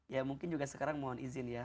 ya mungkin juga sekarang mohon izin ya